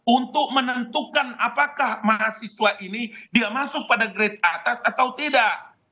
untuk menentukan apakah mahasiswa ini dia masuk pada grade atas atau tidak